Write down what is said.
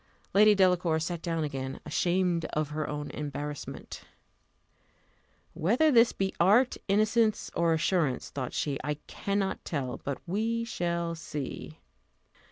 Lady Delacour sat down again, ashamed of her own embarrassment. Whether this be art, innocence, or assurance, thought she, I cannot tell; but we shall see.